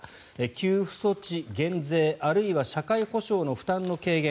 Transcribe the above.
給付措置、減税あるいは社会保障の負担の軽減